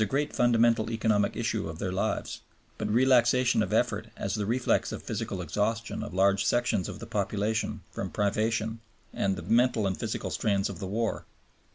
But above all (to quote Mr. Hoover), "there is a great relaxation of effort as the reflex of physical exhaustion of large sections of the population from privation and the mental and physical strain of the war."